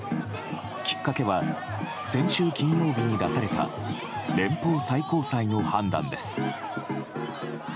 きっかけは先週金曜日に出された連邦最高裁の判断です。